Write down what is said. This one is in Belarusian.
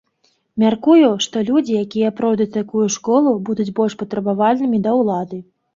Мяркую, што людзі, якія пройдуць такую школу, будуць больш патрабавальнымі да ўлады.